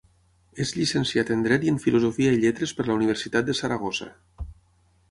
És llicenciat en Dret i en Filosofia i Lletres per la Universitat de Saragossa.